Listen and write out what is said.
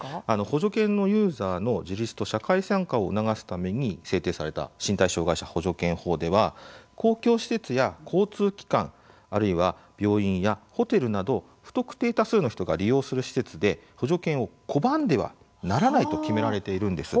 補助犬のユーザーの自立と社会参加を促すために制定された身体障害者補助犬法では公共施設や交通機関あるいは病院やホテルなど不特定多数の人が利用する施設で補助犬を拒んではならないと決められているんです。